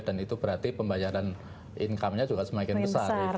dan itu berarti pembayaran income nya juga semakin besar